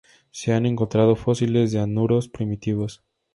Se han encontrado fósiles de anuros primitivos.